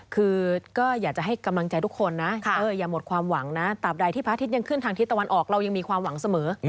คือก็อยากจะให้กำลังใจทุกคนนะอย่าหมดความหวังนะตามใดที่พระอาทิตย์ยังขึ้นทางทิศตะวันออกเรายังมีความหวังเสมอ